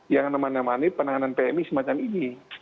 yang menemani penanganan pmi semacam ini